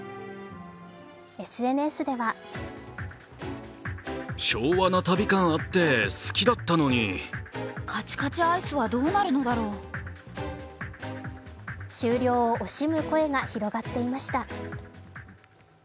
ＳＮＳでは終了を惜しむ声が広がっていました。